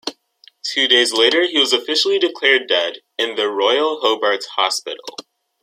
Two days later he was officially declared dead in the Royal Hobart Hospital.